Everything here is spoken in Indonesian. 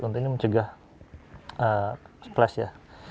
untuk ini mencegah splash ya